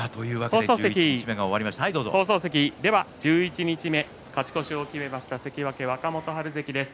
十一日目勝ち越しを決めました関脇若元春関です。